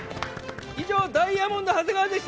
以上、ダイヤモンド長谷川でした。